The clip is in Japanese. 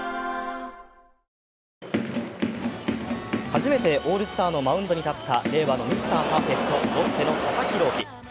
初めてオールスターのマウンドに立った令和のミスターパーフェクトロッテの佐々木朗希。